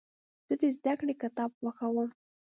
زه د زدهکړې کتاب خوښوم.